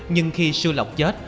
nhưng khi sư lọc chết